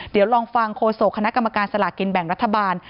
เดี๋ยวลองฟังโฆษกคณะกรรมการสลากินแบ่งรัฐบาล